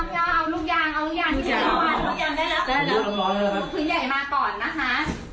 พื้นใหญ่มาก่อนนะคะ